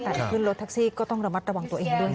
แต่ขึ้นรถแท็กซี่ก็ต้องระมัดระวังตัวเองด้วย